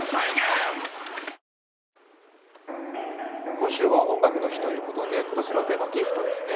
今週は「音楽の日」ということで今年のテーマは「ＧＩＦＴギフト」ですね。